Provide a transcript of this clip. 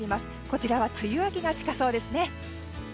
こちらは梅雨明けが近そうですね。